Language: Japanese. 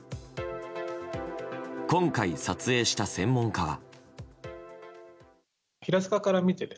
今回、撮影した専門家は。